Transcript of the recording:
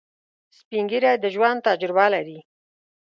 سپین ږیری د ژوند تجربه لري